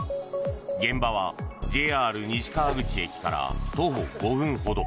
現場はＪＲ西川口駅から徒歩５分ほど。